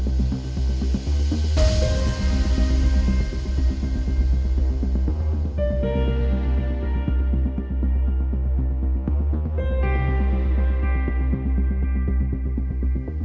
เมื่อเวลาอันดับสุดท้ายมันกลายเป็นภูมิที่สุดท้าย